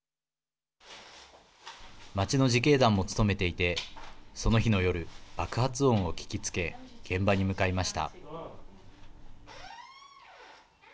街の自警団も務めていてその日の夜爆発音を聞きつけ現場に向かいました。